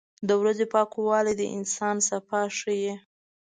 • د ورځې پاکوالی د انسان صفا ښيي.